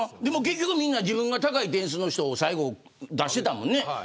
でも結局みんな自分が高い点数の人を最後出してたもんね。